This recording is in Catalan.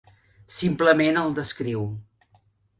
Simplement el descriu.